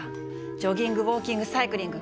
ジョギングウォーキングサイクリング。